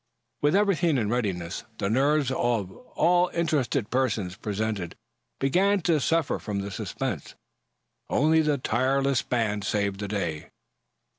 With everything in readiness, the nerves of all the interested persons present began to suffer from the suspense. Only the tireless band saved the day.